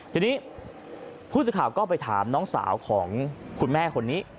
ทีนี้ผู้สื่อข่าวก็ไปถามน้องสาวของคุณแม่คนนี้